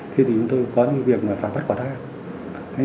thế thì chúng tôi có những việc phản bắt quả thác